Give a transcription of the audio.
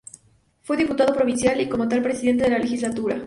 Fue Diputado provincial y como tal presidente de la legislatura.